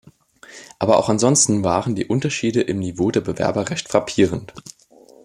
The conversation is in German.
Aber auch ansonsten waren die Unterschiede im Niveau der Bewerber recht frappierend.